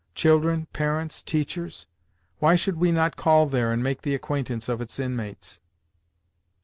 Children, parents, teachers? Why should we not call there and make the acquaintance of its inmates?